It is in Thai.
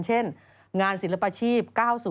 เช่นงานศิลปาชีพ๙๐